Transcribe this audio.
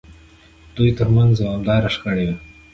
دوی ترمنځ دوامداره شخړې وې.